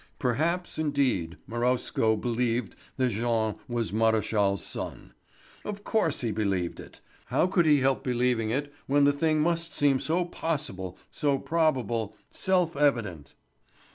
Perhaps, indeed, Marowsko believed that Jean was Maréchal's son. Of course he believed it! How could he help believing it when the thing must seem so possible, so probable, self evident?